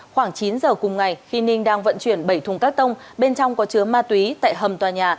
khoảng chín giờ cùng ngày khi ninh đang vận chuyển bảy thùng cát tông bên trong có chứa ma túy tại hầm tòa nhà